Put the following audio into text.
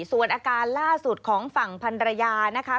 ส่วนอาการล่าสุดของฝั่งพันรยานะคะ